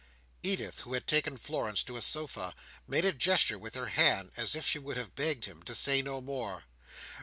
Edith, who had taken Florence to a sofa, made a gesture with her hand as if she would have begged him to say no more.